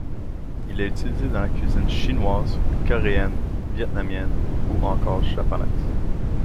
Il est utilisé dans la cuisine chinoise, coréenne, vietnamienne ou encore japonaise.